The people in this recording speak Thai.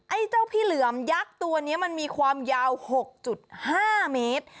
ไอ้เจ้าพี่เหลือมยักษ์ตัวนี้มันมีความยาว๖๕เมตร